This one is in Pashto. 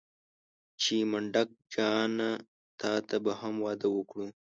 چې منډک جانه تاته به هم واده وکړو.